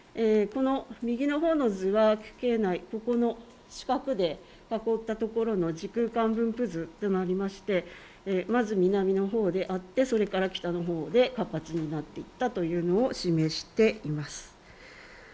右のほうの図は四角で囲ったところの時空間分布図になりましてまず南のほうであって、それから北のほうで活発になっていったというのを示しています。